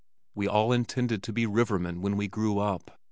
We all intended to be rivermen when we grew up.